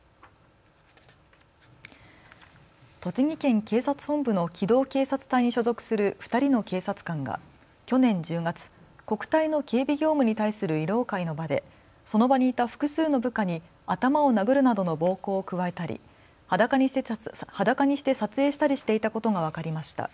栃木県警察本部の機動警察隊に所属する２人の警察官が去年１０月、国体の警備業務に対する慰労会の場でその場にいた複数の部下に頭を殴るなどの暴行を加えたり裸にして撮影したりしていたことが分かりました。